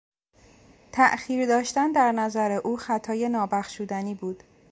تاخیر داشتن در نظر او خطای نابخشودنی بود.